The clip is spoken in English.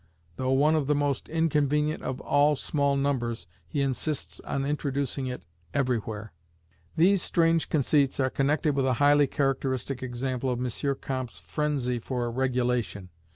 Though one of the most inconvenient of all small numbers, he insists on introducing it everywhere. These strange conceits are connected with a highly characteristic example of M. Comte's frenzy for regulation.